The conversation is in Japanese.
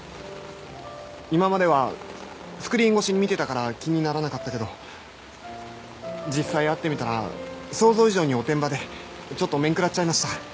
今まではスクリーン越しに見てたから気にならなかったけど実際会ってみたら想像以上におてんばでちょっと面食らっちゃいました。